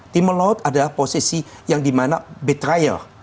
timur laut adalah posisi yang dimana betrayal